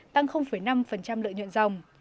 tăng năm lợi nhuận dòng